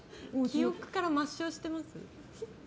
記憶から抹消してます？